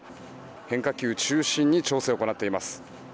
変化球を中心に調整を行っています。